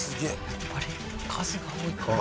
やっぱり数が多いから。